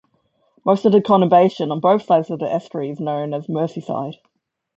Most of the conurbation on both sides of the estuary is known as Merseyside.